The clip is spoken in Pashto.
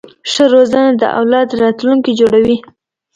ښه روزنه د اولاد راتلونکی جوړوي.